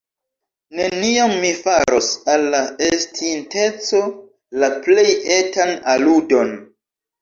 Neniam mi faros al la estinteco la plej etan aludon.